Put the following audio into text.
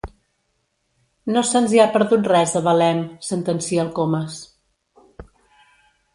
No se'ns hi ha perdut res, a Belem —sentencia el Comas.